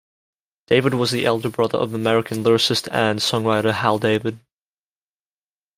David was the elder brother of American lyricist and songwriter, Hal David.